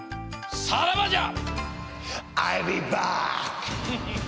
さらばじゃ！